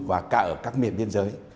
và cả ở các miền biên giới